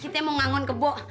kita mau ngangon ke bua